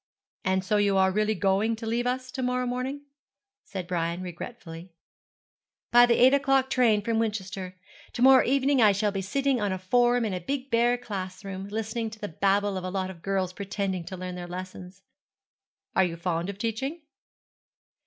'And so you are really going to leave us to morrow morning?' said Brian, regretfully. 'By the eight o'clock train from Winchester. To morrow evening I shall be sitting on a form in a big bare class room, listening to the babble of a lot of girls pretending to learn their lessons.' 'Are you fond of teaching?'